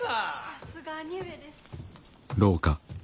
さすが兄上です。